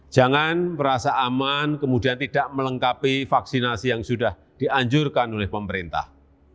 jangan merasa aman kemudian tidak melengkapi vaksinasi yang sudah dianjurkan oleh pemerintah